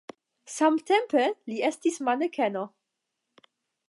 Samtempe li estis manekeno.